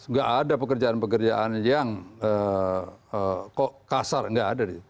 enggak ada pekerjaan pekerjaan yang kasar enggak ada